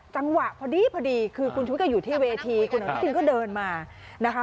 จังหวะพอดีพอดีคือคุณชุวิตก็อยู่ที่เวทีคุณอนุทินก็เดินมานะคะ